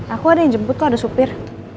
aku ada yang jemput kok ada supir